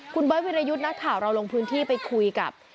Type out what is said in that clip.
คุณเบิร์ตวิรยุทธ์นักข่าวเราลงพื้นที่ไปคุยกับ